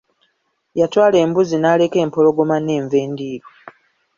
Yatwala embuzi n'aleka empologoma n'enva endiirwa.